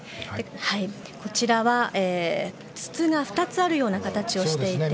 こちらは筒が２つあるような形をしていて。